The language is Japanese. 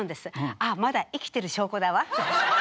ああまだ生きてる証拠だわって。